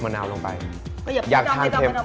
เพราะฉะนั้นถ้าใครอยากทานเปรี้ยวเหมือนโป้แตก